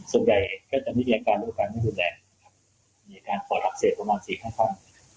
ส่วนใหญ่ก็จะมีอาการไม่ดูแรงมีการคอดลับเสพประมาณ๔๕ค่อน